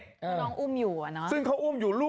ต้องกำลังอุ้มอยู่อะน้๊า